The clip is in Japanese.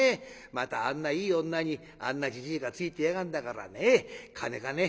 またあんないい女にあんなじじいがついていやがんだからねカネかね？